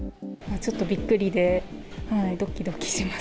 ちょっとびっくりで、どきどきします。